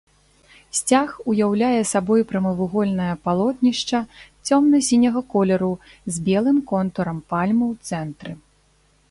Сцяг уяўляе сабой прамавугольнае палотнішча цёмна-сіняга колеру з белым контурам пальмы ў цэнтры.